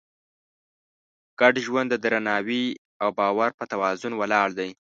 ګډ ژوند د درناوي او باور په توازن ولاړ دی.